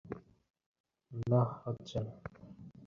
ওহ, জানতাম না ওরা এত কষ্ট পাবে।